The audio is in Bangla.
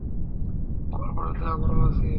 গল্পটাতে আমরাও আছি।